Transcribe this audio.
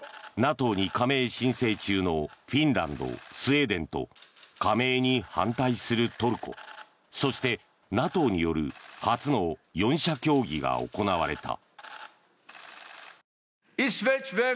ＮＡＴＯに加盟申請中のフィンランド、スウェーデンと加盟に反対するトルコそして、ＮＡＴＯによる初の４者協議が行われた。